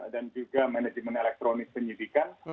dan juga manajemen elektronik penyidikan